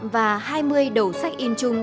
và hai mươi đầu sách in chung